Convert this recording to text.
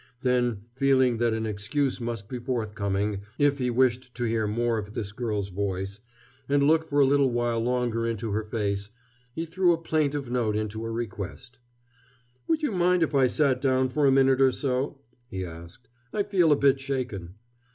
Then, feeling that an excuse must be forthcoming, if he wished to hear more of this girl's voice, and look for a little while longer into her face, he threw a plaintive note into a request. "Would you mind if I sat down for a minute or so?" he asked. "I feel a bit shaken.